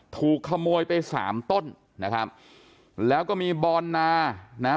ถูกขโมยไปสามต้นนะครับแล้วก็มีบอนนานะฮะ